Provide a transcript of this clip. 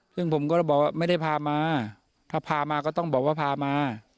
ซึ่งผมก็เลยบอกว่าไม่ได้พามาถ้าพามาก็ต้องบอกว่าพามา